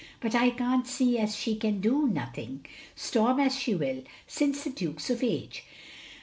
" But I can't see as she can do nothing, storm as she will, since the Duke 's of age.